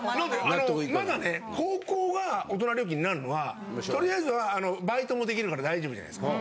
まだね高校が大人料金になるのはとりあえずはバイトもできるから大丈夫じゃないですか。